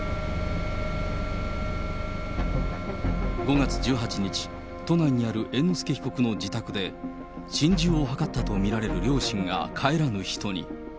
５月１８日、都内にある猿之助被告の自宅で、心中を図ったと見られる両親が帰らぬ人に。